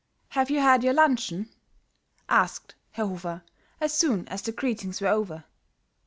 "Have you had your luncheon?" asked Herr Hofer, as soon as the greetings were over.